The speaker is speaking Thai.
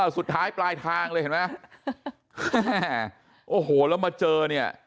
สุดท้ายปลายทางเลยเห็นไหมโอ้โหแล้วมาเจอเนี่ย